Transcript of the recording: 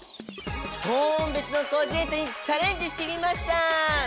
トーン別のコーディネートにチャレンジしてみました。